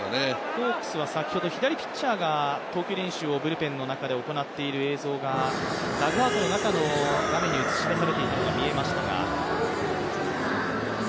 ホークスは先ほど左ピッチャーがブルペンの中で行っている映像がダグアウトの中の画面に映し出されていたのが見えましたが。